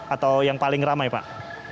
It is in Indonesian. atau yang paling ramai pak